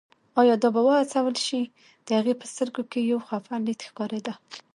ایا دا به وهڅول شي، د هغې په سترګو کې یو خپه لید ښکارېده.